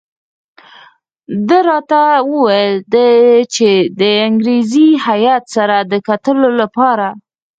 ده راته وویل چې د انګریزي هیات سره د کتلو لپاره.